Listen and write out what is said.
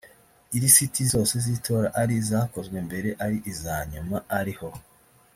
ilisiti zose z’itora ari izakozwe mbere ari iza nyuma ariho